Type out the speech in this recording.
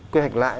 quy hoạch lại